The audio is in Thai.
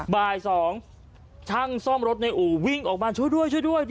บ่าย๒ช่างซ่อมรถในอู่วิ่งออกมาช่วยด้วยช่วยด้วย